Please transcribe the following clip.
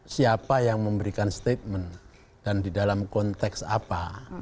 siapa yang memberikan statement dan di dalam konteks apa